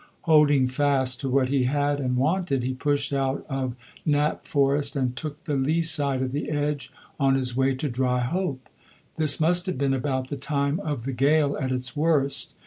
Holding fast to what he had and wanted, he pushed out of Knapp Forest and took the lee side of the Edge on his way to Dryhope. This must have been about the time of the gale at its worst.